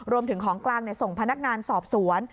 รวมถึงของกลางส่งพนักงานสอบสวน